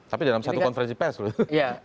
tapi dalam satu konferensi pers begitu